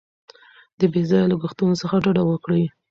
د بې ځایه لګښتونو څخه ډډه وکړئ.